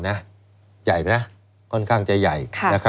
ใหญ่นะค่อนข้างจะใหญ่